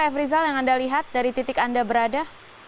afrizal yang anda lihat dari titik anda berada